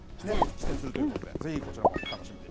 出演するということで、ぜひこちらも、楽しみに。